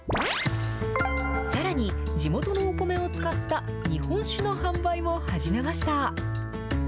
さらに、地元のお米を使った日本酒の販売も始めました。